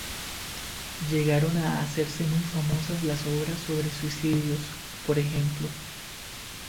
Llegaron a hacerse muy famosas las obras sobre suicidios, por ejemplo.